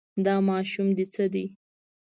دا ماشوم دې څه دی.